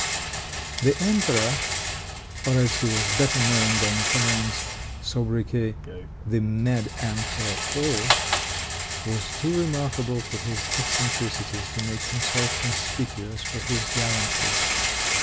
The emperor, or as he was better known by Napoleon's sobriquet, the mad Emperor Paul, was too remarkable for his eccentricities to make himself conspicuous for his gallantries.